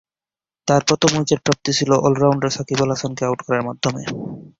তার প্রথম উইকেট প্রাপ্তি ছিল অল-রাউন্ডার সাকিব আল হাসানকে আউট করার মাধ্যমে।